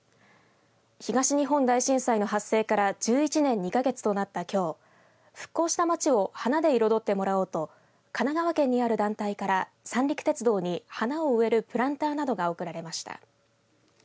東日本大震災の発生から１１年２か月となったきょう復興した街を花で彩ってもらおうと神奈川県にある団体から三陸鉄道に花を植えるプランターなどが贈られました。